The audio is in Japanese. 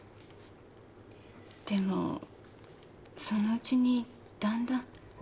でもそのうちにだんだん。